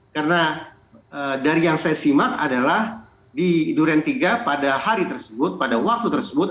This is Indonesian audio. karena dari yang saya simak adalah di durian tiga pada hari tersebut pada waktu tersebut